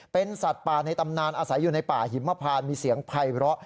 เป็นสัตว์ป่าในตำนานอาศัยอยู่ในป่าหิมพานมีเสียงไพร้อ